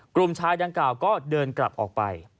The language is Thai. กลุ่มชายดังกล่าวก็เดินกลับออกไป